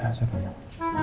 udah saya kenyal